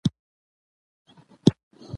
د نجات کولو امر ورته کېږي